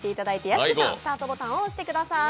屋敷さん、スタートボタン押してください。